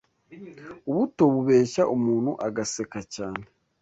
Ubuto bubeshya umuntu agaseka cyane